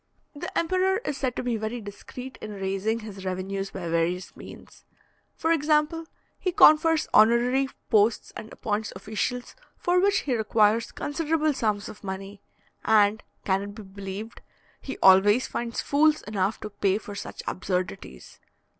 The emperor is said to be very discreet in raising his revenues by various means. For example, he confers honorary posts and appoints officials, for which he requires considerable sums of money; and can it be believed! he always finds fools enough to pay for such absurdities.